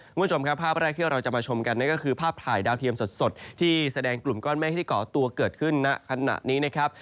คุณผู้ชมครับภาพแรกที่เราจะมาชมกันนั่นก็คือภาพถ่ายดาวเทียมสดที่แสดงกลุ่มก้อนเมฆที่เกาะตัวเกิดขึ้นณขณะนี้นะครับ